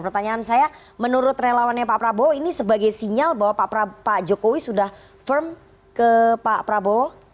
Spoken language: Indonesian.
pertanyaan saya menurut relawannya pak prabowo ini sebagai sinyal bahwa pak jokowi sudah firm ke pak prabowo